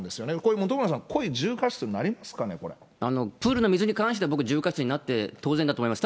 本村さん、これ故意、重過失になプールの水に関しては僕は重過失になって当然だと思います。